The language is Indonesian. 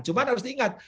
cuma harus diingat